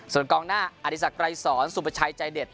ส่วนกองหน้าอธิสักไกรสอนสุประชัยใจเด็ด